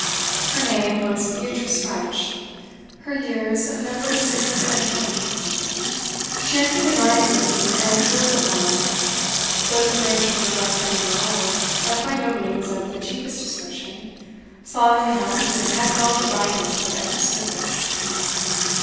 Her name was Beatrice French; her years numbered six and twenty. She entered the dining room and drew up the blind. Though the furniture was less than a year old, and by no means of the cheapest description, slovenly housekeeping had dulled the brightness of every surface.